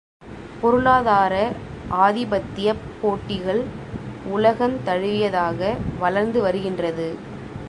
பொருளாதார ஆதிபத்தியப் போட்டிகள் உலகந் தழுவியதாக வளர்ந்து வருகின்றது.